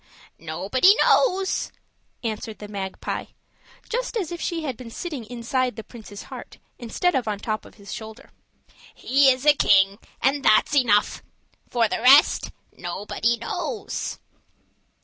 "Nobody knows," answered the magpie, just as if she had been sitting inside the prince's heart, instead of on the top of his shoulder. "He is a king, and that's enough. For the rest nobody knows."